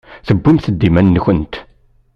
Tewwimt-d iman-nkent.